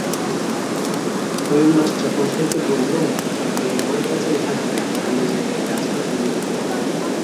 আমি মাস্টারমশায়কে বললুম, আপনি আমার কাছেই থাকুন, অন্য জায়গায় কাজ করবেন না।